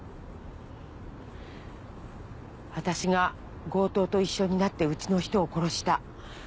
私が強盗と一緒になってうちの人を殺した。